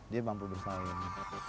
dia mampu bersaing